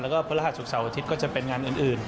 แล้วก็พระราชุกเสาร์อาทิตย์ก็จะเป็นงานอื่น